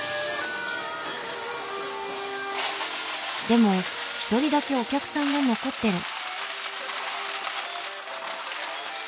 でも一人だけお客さんが残ってる。